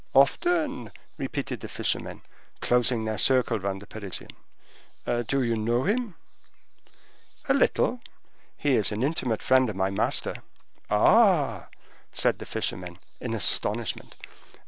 "Often!" repeated the fishermen, closing their circle round the Parisian. "Do you know him?" "A little; he is the intimate friend of my master." "Ah!" said the fishermen, in astonishment.